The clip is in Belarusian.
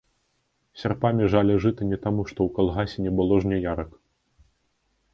Сярпамі жалі жыта не таму, што ў калгасе не было жняярак.